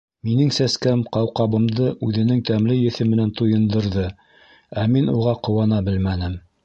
Минең сәскәм ҡауҡабымды үҙенең тәмле еҫе менән туйындырҙы, ә мин уға ҡыуана белмәнем.